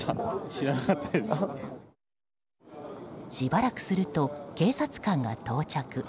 しばらくすると警察官が到着。